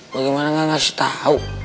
bagaimana gak ngasih tau